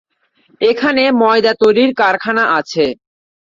এখানে ময়দা তৈরির কারখানা আছে।